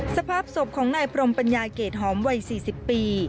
สภาพศพของนายพรมปัญญาเกรดหอมวัย๔๐ปี